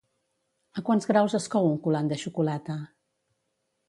A quants graus es cou un coulant de xocolata?